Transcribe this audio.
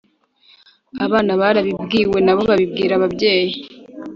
abana barabibwiwe, nabo babibwira ababyeyi